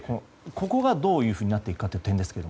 ここがどういうふうになっていくかという点ですが。